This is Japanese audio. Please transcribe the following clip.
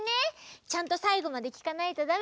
ちゃんとさいごまできかないとだめだよ。